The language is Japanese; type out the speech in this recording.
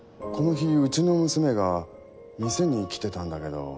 この日うちの娘が店に来てたんだけど。